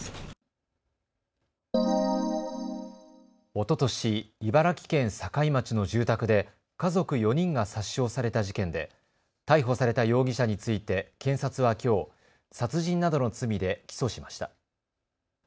おととし茨城県境町の住宅で家族４人が殺傷された事件で逮捕された容疑者について検察はきょう殺人などの罪で起訴しました。